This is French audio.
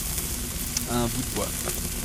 Un bout de bois.